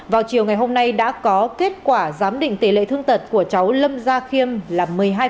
vào chiều ngày hôm nay đã có kết quả giám định tỷ lệ thương tật của cháu lâm gia khiêm là một mươi hai